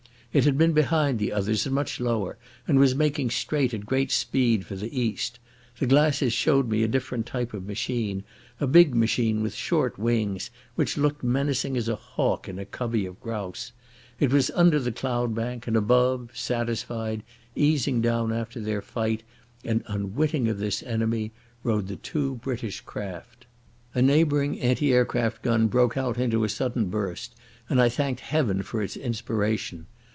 It had been behind the others and much lower, and was making straight at a great speed for the east. The glasses showed me a different type of machine—a big machine with short wings, which looked menacing as a hawk in a covey of grouse. It was under the cloud bank, and above, satisfied, easing down after their fight, and unwitting of this enemy, rode the two British craft. A neighbouring anti aircraft gun broke out into a sudden burst, and I thanked Heaven for its inspiration.